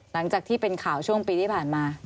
หลังจากที่เป็นข่าวช่วงปีที่ผ่านมา